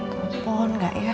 telepon gak ya